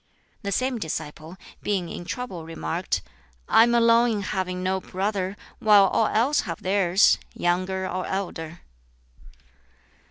The same disciple, being in trouble, remarked, "I am alone in having no brother, while all else have theirs younger or elder."